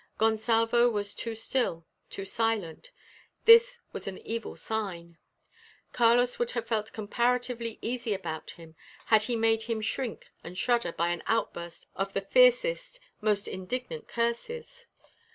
Gonsalvo was too still, too silent. This was an evil sign. Carlos would have felt comparatively easy about him had he made him shrink and shudder by an outburst of the fiercest, most indignant curses.